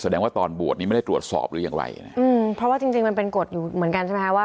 แสดงว่าตอนบวชนี้ไม่ได้ตรวจสอบหรือยังไรนะอืมเพราะว่าจริงจริงมันเป็นกฎอยู่เหมือนกันใช่ไหมคะว่า